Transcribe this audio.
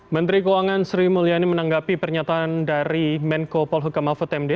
menteri keuangan sri mulyani menanggapi pernyataan dari menko polhukam mahfud md